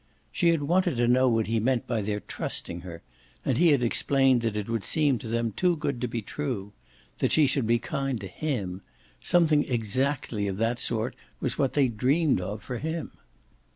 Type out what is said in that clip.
She had wanted to know what he meant by their trusting her, and he had explained that it would seem to them too good to be true that she should be kind to HIM: something exactly of that sort was what they dreamed of for him.